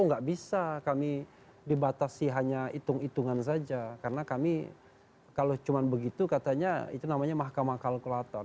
nggak bisa kami dibatasi hanya hitung hitungan saja karena kami kalau cuma begitu katanya itu namanya mahkamah kalkulator